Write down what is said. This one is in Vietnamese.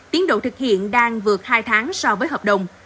tiến độ thực hiện đang vượt hai tháng so với hợp đồng